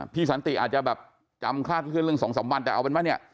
พี่สันติอาจจะแบบจำคลาดขึ้นเรื่องสองสามวันแต่เอาเป็นว่าเนี้ย